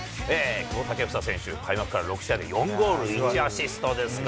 久保建英選手、開幕から６試合で４ゴール１アシストですか。